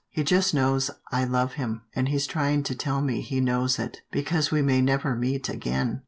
. He just knows I love him, and he's trying to tell me he knows it, because we may never meet again."